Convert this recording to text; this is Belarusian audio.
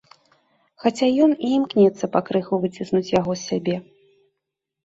Хаця ён і імкнецца пакрыху выціснуць яго з сябе.